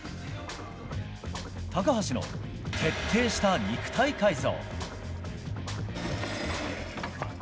高橋の徹底した肉体改造。